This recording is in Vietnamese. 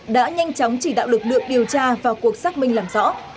đã nhanh chóng chỉ đạo lực lượng điều tra vào cuộc xác minh làm rõ